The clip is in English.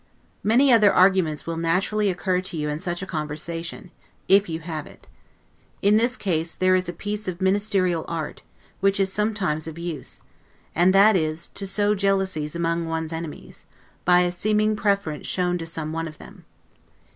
Many other arguments will naturally occur to you in such a conversation, if you have it. In this case, there is a piece of ministerial art, which is sometimes of use; and that is, to sow jealousies among one's enemies, by a seeming preference shown to some one of them.